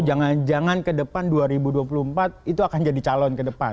jangan jangan ke depan dua ribu dua puluh empat itu akan jadi calon ke depan